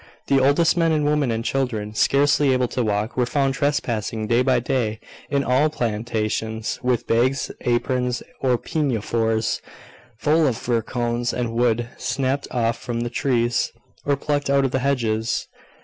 The oldest men and women, and children scarcely able to walk, were found trespassing day by day in all plantations, with bags, aprons, or pinafores, full of fir cones, and wood snapped off from the trees, or plucked out of the hedges.